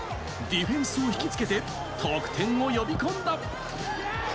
ディフェンスを引き付けて得点を呼び込んだ。